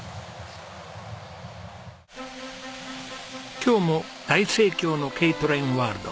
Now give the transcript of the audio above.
今日も大盛況のＫトレインワールド。